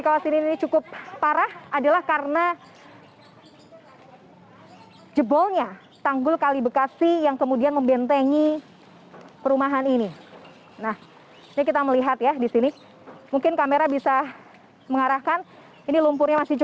pondok gede permai jatiasi pada minggu pagi